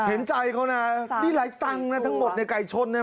เห็นใจเขานะนี่หลายตังค์นะทั้งหมดในไก่ชนเนี่ย